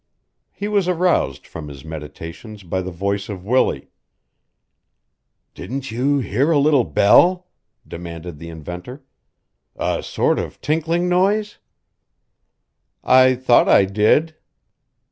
He was aroused from his meditations by the voice of Willie. "Didn't you hear a little bell?" demanded the inventor. "A sort of tinklin' noise?" "I thought I did."